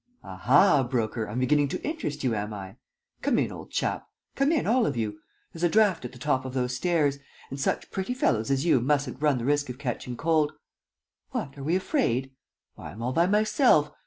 "Aha, Broker, I'm beginning to interest you, am I? ... Come in, old chap. ... Come in, all of you. ... There's a draught at the top of those stairs ... and such pretty fellows as you mustn't run the risk of catching cold. ... What, are we afraid? Why, I'm all by myself!